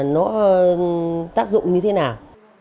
có tác dụng như thế nào